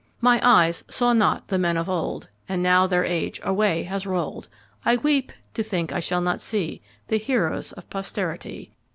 "My eyes saw not the men of old; And now their age away has rolled. I weep to think I shall not see The heroes of posterity."